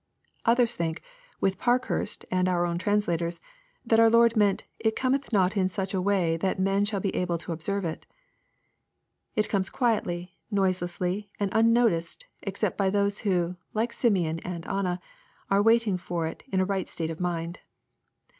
— Others think, with Parkhurst and our own translators, that our Lord meant, " it cometh not in such a way that men shall be able to observe it." — It comes quietly, noiselessly, and unnoticed, except by those who, like Simeon and Anna, are wait ing for it in a right state of mind.